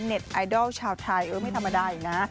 เน็ตไอดอลชาวไทยไม่ธรรมดาอยู่นะ